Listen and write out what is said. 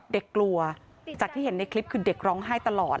กลัวจากที่เห็นในคลิปคือเด็กร้องไห้ตลอด